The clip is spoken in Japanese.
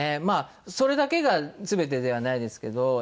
まあそれだけが全てではないですけど